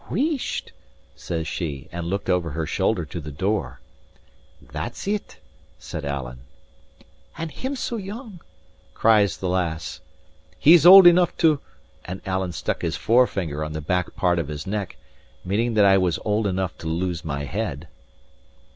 "Wheesht," says she, and looked over her shoulder to the door. "That's it," said Alan. "And him so young!" cries the lass. "He's old enough to " and Alan struck his forefinger on the back part of his neck, meaning that I was old enough to lose my head.